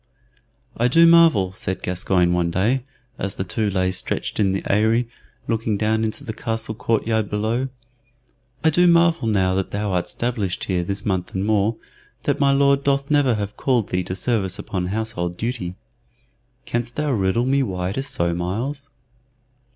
"I do marvel," said Gascoyne one day, as the two lay stretched in the Eyry, looking down into the castle court yard below "I do marvel, now that thou art 'stablished here this month and more, that my Lord doth never have thee called to service upon household duty. Canst thou riddle me why it is so, Myles?"